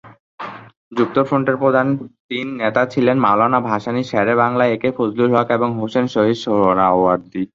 যুক্তফ্রন্টের প্রধান তিন নেতা ছিলেন মওলানা ভাসানী, শেরে বাংলা একে ফজলুল হক এবং হোসেন শহীদ সোহরাওয়ার্দী।